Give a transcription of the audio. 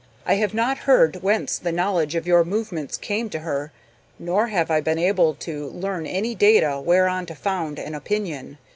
I have not heard whence the knowledge of your movements came to her, nor have I been able to learn any data whereon to found an opinion.